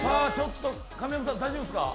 神山さん、大丈夫ですか？